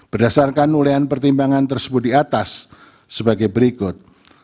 berdasarkan ulian pertimbangan tersebut di atas sebagai berikut